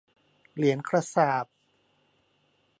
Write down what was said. เหรียญกระษาปณ์